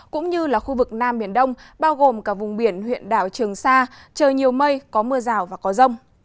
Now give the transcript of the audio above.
cũng như là khu vực nam biển đông bao gồm cả vùng biển huyện đảo trường sa trời nhiều mây có mưa rào và có rông